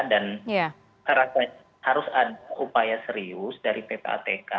dan harus ada upaya serius dari ppatk